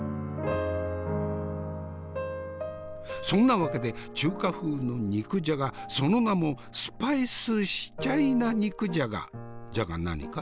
そんなわけで中華風の肉じゃがその名もスパイスしチャイナ肉じゃがじゃが何か？